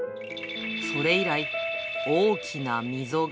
それ以来、大きな溝が。